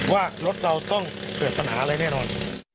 ว่ารถเราต้องเกิดปัญหาอะไรแน่นอน